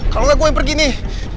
kalau gak gue yang pergi nih